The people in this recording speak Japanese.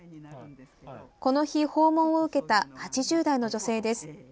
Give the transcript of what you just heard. この日、訪問を受けた８０代の女性です。